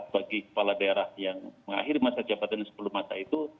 bagi kepala daerah yang mengakhiri masa jabatan sepuluh masa itu